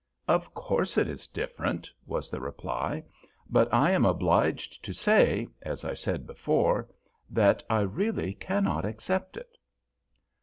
"Of course it is different," was the reply, "but I am obliged to say, as I said before, that I really cannot accept it."